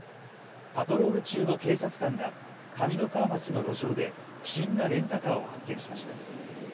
パトロール中の警察官が上三川町の路上で不審なレンタカーを発見しました。